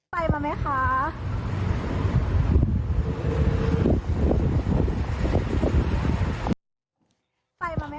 ไปมาไหมคะ